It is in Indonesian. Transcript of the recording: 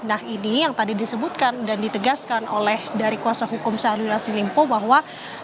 nah ini yang tadi disebutkan dan ditegaskan oleh dari kuasa hukum syahrul yassin limpo bahwa